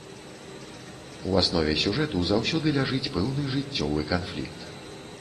У аснове сюжэту заўсёды ляжыць пэўны жыццёвы канфлікт.